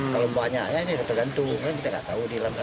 kalau banyaknya ini tergantung kita nggak tahu di lembaga